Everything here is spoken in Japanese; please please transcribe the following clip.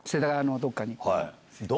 どっかに？